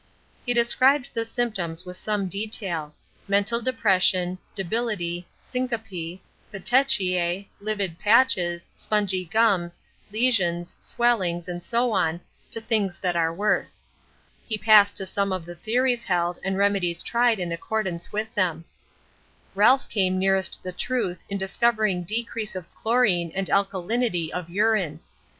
He described the symptoms with some detail. Mental depression, debility, syncope, petechiae, livid patches, spongy gums, lesions, swellings, and so on to things that are worse. He passed to some of the theories held and remedies tried in accordance with them. Ralph came nearest the truth in discovering decrease of chlorine and alkalinity of urine.